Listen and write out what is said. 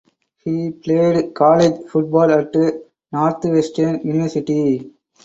He played college football at Northwestern University.